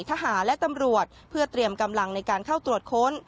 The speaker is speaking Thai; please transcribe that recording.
ทหารและตำรวจเพื่อเตรียมกำลังในการเข้าตรวจค้น